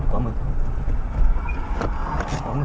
มึงมึงปลอมือ